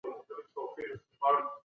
ډاکټر به درملنه کړې وي.